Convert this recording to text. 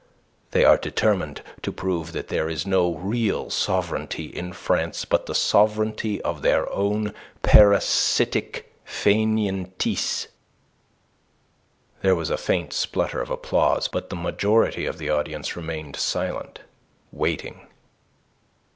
They are determined to prove that there is no real sovereignty in France but the sovereignty of their own parasitic faineantise." There was a faint splutter of applause, but the majority of the audience remained silent, waiting.